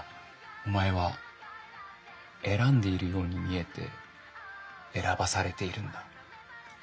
お前は選んでいるように見えて選ばされているんだ。